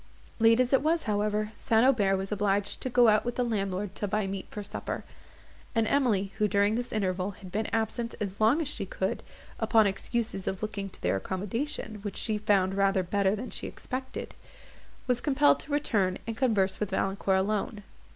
Late as it was, however, St. Aubert was obliged to go out with the landlord to buy meat for supper; and Emily, who, during this interval, had been absent as long as she could, upon excuses of looking to their accommodation, which she found rather better than she expected, was compelled to return, and converse with Valancourt alone.